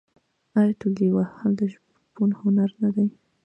آیا تولې وهل د شپون هنر نه دی؟